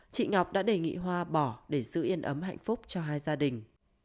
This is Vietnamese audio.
chị ngọc đã đề nghị hoa bỏ để giữ yên ấm hạnh phúc cho hai gia đình